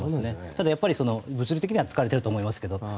ただ、やっぱり物理的には疲れていると思いますけど。